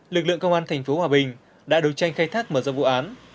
lực lượng công an thành phố hòa bình đã đấu tranh khai thác mở rộng vụ án